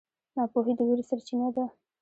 ناپوهي د وېرې سرچینه ده.